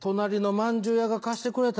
まんじゅう屋